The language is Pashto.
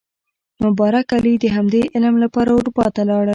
مبارک علي د همدې علم لپاره اروپا ته لاړ.